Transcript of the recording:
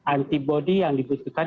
antibody yang dibutuhkan